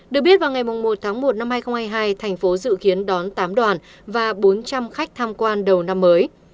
được biết vào ngày một tháng một năm hai nghìn hai mươi hai thành phố dự kiến đón tám đoàn và bốn trăm linh khách tham quan đầu năm mới